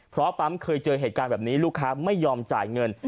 เพราะปั๊มเคยเจอเหตุการณ์แบบนี้ลูกค้าไม่ยอมจ่ายเงิน